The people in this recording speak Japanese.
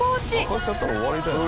爆発しちゃったら終わりだよね。